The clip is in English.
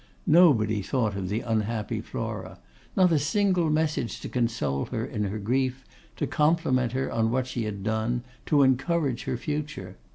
Nobody thought of the unhappy Flora; not a single message to console her in her grief, to compliment her on what she had done, to encourage her future.